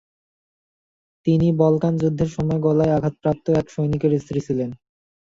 তিনি বলকান যুদ্ধের সময় গলায় আঘাতপ্রাপ্ত এক সৈনিকের স্ত্রী ছিলেন।